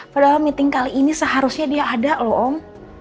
padahal meeting kali ini seharusnya dia ada loh om